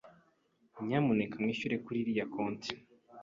Nyamuneka mwishyure kuriyi compte.